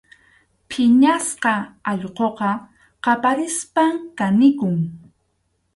Phiñasqa allquqa qaparispam kanikun.